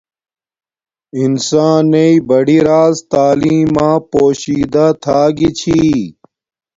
انسان نݵݵ بڑی راز تعیلم ما پوشیدہ تھا گی چھی